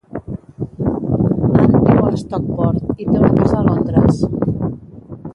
Ann viu a Stockport i té una casa a Londres.